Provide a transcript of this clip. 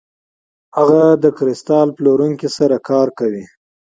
هغه د کریستال پلورونکي سره کار کوي.